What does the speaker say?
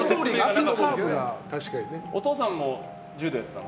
お父さんも柔道やってたの？